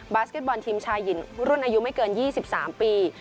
สเก็ตบอลทีมชายหญิงรุ่นอายุไม่เกิน๒๓ปี